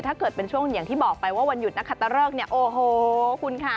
ถ้าเกิดเป็นช่วงอย่างที่บอกไปว่าวันหยุดนักขัตตะเริกเนี่ยโอ้โหคุณค่ะ